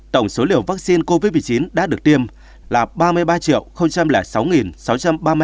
tổng số liều vaccine covid một mươi chín đã được tiêm là ba mươi ba sáu sáu trăm ba mươi hai liều